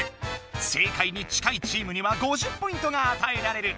正解に近いチームには５０ポイントがあたえられる。